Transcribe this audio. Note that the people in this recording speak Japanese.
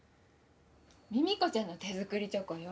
ミミコちゃんの手づくりチョコよ。